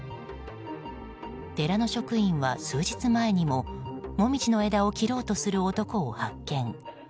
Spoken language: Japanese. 寺の職員は、数日前にもモミジの枝を切ろうとする男を発見。